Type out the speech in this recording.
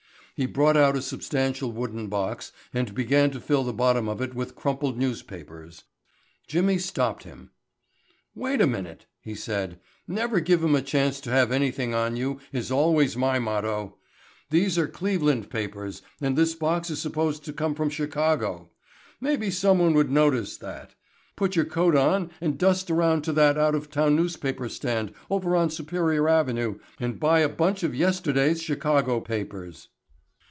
He brought out a substantial wooden box and began to fill the bottom of it with crumpled newspapers. Jimmy stopped him. "Wait a minute," he said. "Never give 'em a chance to have anything on you is always my motto. These are Cleveland papers and this box is supposed to come from Chicago. Maybe someone would notice that. Put your coat on and dust around to that out of town newspaper stand over on Superior Avenue and buy a bunch of yesterday's Chicago papers."